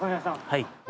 はい。